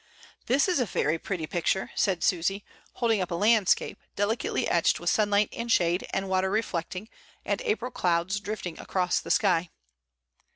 "This is a very pretty picture," said Susy, hold ing up a landscape, delicately etched with sunlight and shade, and water reflecting, and April clouds drifting across the sky.